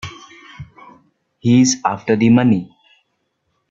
He's after the money.